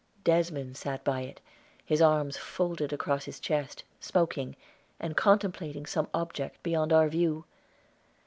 Desmond sat by it, his arms folded across his chest, smoking, and contemplating some object beyond our view.